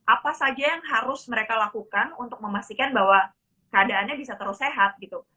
apa saja yang harus mereka lakukan untuk memastikan bahwa keadaannya bisa terus sehat gitu